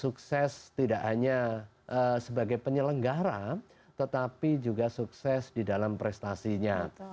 sukses tidak hanya sebagai penyelenggara tetapi juga sukses di dalam prestasinya